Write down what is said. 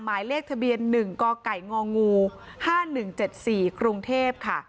หมายเลขทะเบียน๑กไก่ง๕๑๗๔กรุงเทพค่ะ